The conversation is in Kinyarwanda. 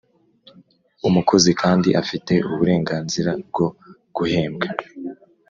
Umukozi kandi afite uburenganzira bwo guhembwa.